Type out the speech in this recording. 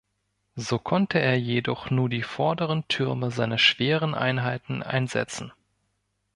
So konnte er jedoch nur die vorderen Türme seiner schweren Einheiten einsetzen.